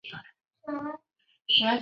福建邵武人。